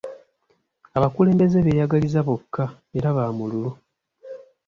Abakulembeze beeyagaliza bokka era ba mululu.